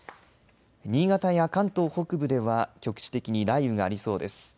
新潟や関東北部では局地的に雷雨がありそうです。